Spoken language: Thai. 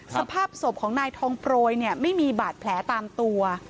สภาพศพของนายทองโปรยไม่มีบาดแผลตามตัว